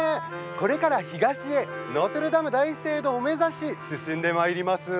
これから、東へノートルダム大聖堂を目指し進んでまいります。